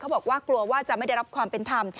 บอกว่ากลัวว่าจะไม่ได้รับความเป็นธรรม